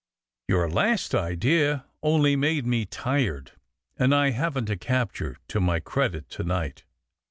"Your last idea only made me tired; and I haven't a capture to my credit to night."